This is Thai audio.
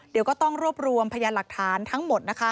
เดี๋ยวก็ต้องรวบรวมพยานหลักฐานทั้งหมดนะคะ